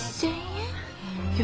４，０００円。